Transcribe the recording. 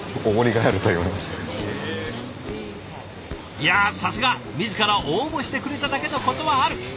いやさすが自ら応募してくれただけのことはある。